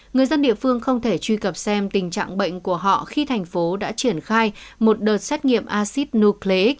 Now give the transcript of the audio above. người dân địa phương không thể truy cập xem tình trạng bệnh của họ khi thành phố đã triển khai một đợt xét nghiệm acid nuclei